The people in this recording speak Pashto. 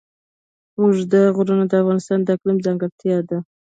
اوږده غرونه د افغانستان د اقلیم ځانګړتیا ده.